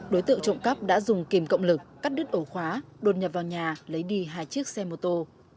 đối tượng trộm cắp đã dùng kìm cộng lực cắt đứt ổ khóa đột nhập vào nhà lấy đi hai chiếc xe mô tô